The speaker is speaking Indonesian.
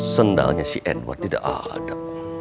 sendalnya si edward tidak ada